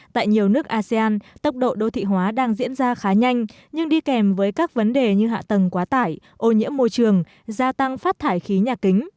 tại nhiều nước asean tốc độ đô thị hóa đang diễn ra khá nhanh nhưng đi kèm với các vấn đề như hạ tầng quá tải ô nhiễm môi trường gia tăng phát thải khí nhà kính